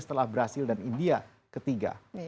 setelah brazil dan india ketiga